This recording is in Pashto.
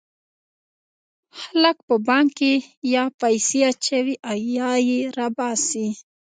خلک په بانک کې یا پیسې اچوي یا یې را باسي.